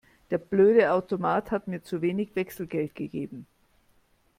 Der blöde Automat hat mir zu wenig Wechselgeld gegeben.